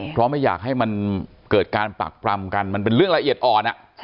เพราะไม่อยากให้มันเกิดการปรักปรำกันมันเป็นเรื่องละเอียดอ่อน